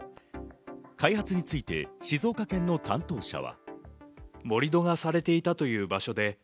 開発について静岡県の担当者は。